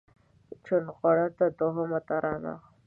چونغرته دوهمه ترانه